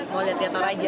mau lihat kota raja